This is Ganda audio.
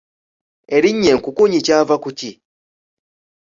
Erinnya enkukunyi kyava ku ki?